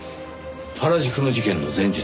原宿の事件の前日です。